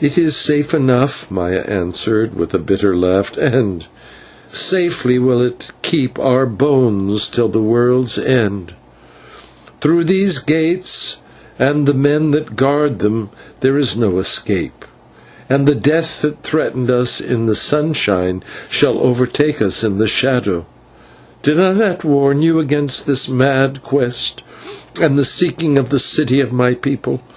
"It is safe enough," Maya answered, with a bitter laugh, "and safely will it keep our bones till the world's end, for through those gates and the men that guard them there is no escape, and the death that threatened us in the sunshine shall overtake us in the shadow. Did I not warn you against this mad quest and the seeking of the city of my people?